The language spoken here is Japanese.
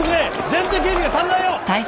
全然警備が足んないよ！